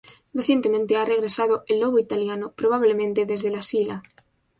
Recientemente ha regresado el lobo italiano, probablemente desde La Sila.